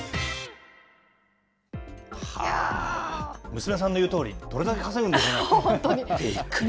娘さんの言うとおり、どれだけ稼ぐんですかね。